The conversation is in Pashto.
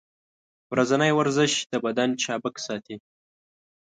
ورځنی ورزش د بدن چابک ساتي.